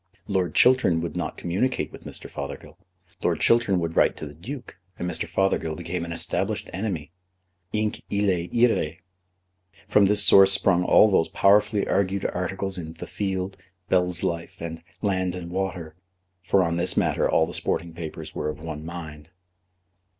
Lord Chiltern would not communicate with Mr. Fothergill. Lord Chiltern would write to the Duke, and Mr. Fothergill became an established enemy. Hinc illæ iræ. From this source sprung all those powerfully argued articles in The Field, Bell's Life, and Land and Water; for on this matter all the sporting papers were of one mind.